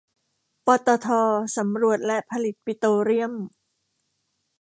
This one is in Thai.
ปตท สำรวจและผลิตปิโตรเลียม